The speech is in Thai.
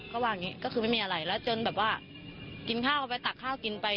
ก็ว่าอย่างนี้ก็คือไม่มีอะไรแล้วจนแบบว่ากินข้าวไปตักข้าวกินไป